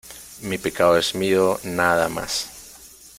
mi pecado es mío nada más.